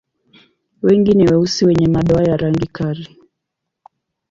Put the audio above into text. Wengi ni weusi wenye madoa ya rangi kali.